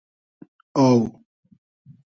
آو